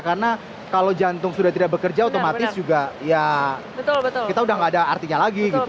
karena kalau jantung sudah tidak bekerja otomatis juga ya kita udah gak ada artinya lagi gitu